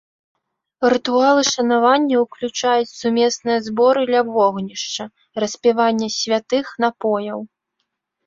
Рытуалы шанавання ўключаюць сумесныя зборы ля вогнішча, распіванне святых напояў.